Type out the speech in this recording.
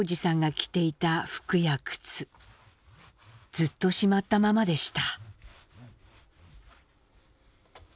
ずっとしまったままでした。